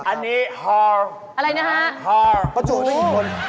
อันนี้ฮอร์ฮอร์ฮอร์อู๊อื้อ